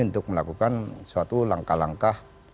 untuk melakukan suatu langkah langkah